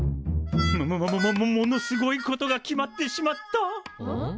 ももももももものすごいことが決まってしまった！